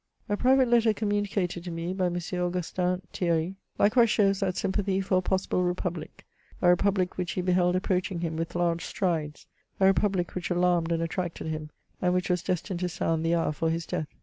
. A private letter communicated to me by M. Augustin Thierry, likewise shows that sympathy for a possible republic, a republic which he beheld approaching him with large strides, a republic which alarmed and attracted him, and which was destined to sound the hour for his death.